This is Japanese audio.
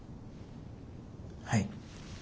はい。